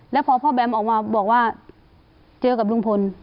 แล้วพอพ่อแบมออกมาบอกว่าเจอกับลุงพล